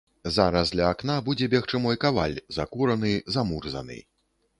Зараз ля акна будзе бегчы мой каваль, закураны, замурзаны.